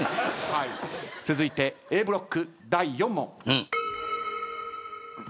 続いてＡブロック第４問。